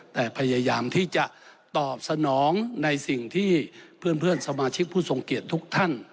แต่พยายามที่จะตอบสนองในสิ่งที่เพื่อนสมาชิกผู้ทรงเกียจทุกท่าน